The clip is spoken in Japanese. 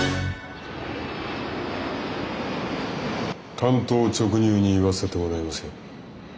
単刀直入に言わせてもらいますよ。